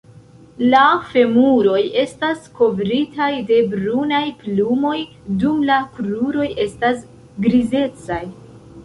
La femuroj estas kovritaj de brunaj plumoj dum la kruroj estas grizecaj.